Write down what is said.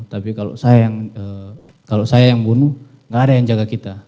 tapi kalau saya yang bunuh gak ada yang jaga kita